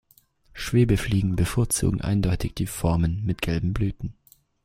Schwebfliegen bevorzugen eindeutig die Formen mit gelben Blüten.